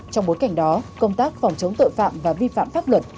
trong bối cảnh đó công tác phòng chống tội phạm và vi phạm pháp luật